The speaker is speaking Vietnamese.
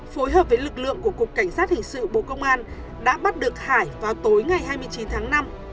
phối hợp với lực lượng của cục cảnh sát hình sự bộ công an đã bắt được hải vào tối ngày hai mươi chín tháng năm